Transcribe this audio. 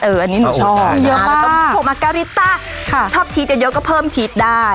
เอออันนี้หนูชอบมาการิต้าค่ะชอบชีสเยอะเยอะก็เพิ่มชีสได้